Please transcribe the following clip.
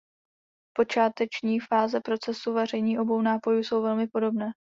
Počáteční fáze procesu vaření obou nápojů jsou velmi podobné.